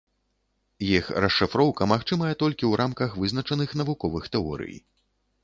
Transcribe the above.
Іх расшыфроўка магчымая толькі ў рамках вызначаных навуковых тэорый.